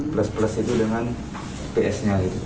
plus plus itu dengan psnya itu